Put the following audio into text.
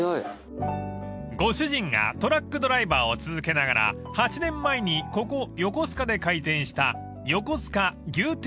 ［ご主人がトラックドライバーを続けながら８年前にここ横須賀で開店した］